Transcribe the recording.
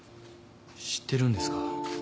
知ってるんですか？